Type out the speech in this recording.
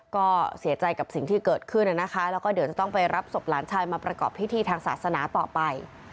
ก็เสียใจกับสิ่งที่เกิดขึ้นนะคะแล้วก็เดี๋ยวจะต้องไปรับศพหลานชายมาประกอบพิธีทางศาสนาต่อไป